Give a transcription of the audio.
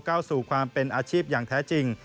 เข้าสู่ความเป็นอาชีพอย่างแท้จริง